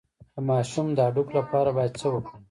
د ماشوم د هډوکو لپاره باید څه وکړم؟